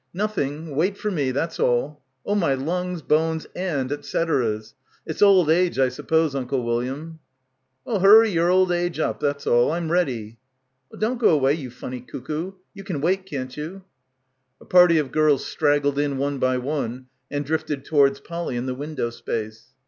"Nothing. Wait for me. That's all. Oh, my lungs, bones and et ceteras. It's old age, I suppose, Uncle William." "Well, hurry your old age up, that's all. Fm ready." "Well, don't go away, you funny cuckoo, you can wait, can't you?" A party of girls straggled in one by one and drifted towards Polly in the window space.